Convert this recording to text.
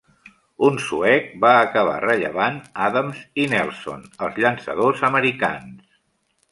Un suec va acabar rellevant Adams i Nelson, els llançadors americans.